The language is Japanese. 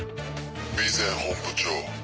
備前本部長。